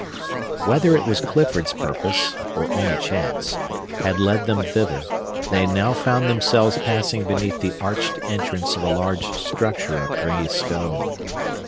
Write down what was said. Whether it was Clifford's purpose, or only chance, had led them thither, they now found themselves passing beneath the arched entrance of a large structure of gray stone.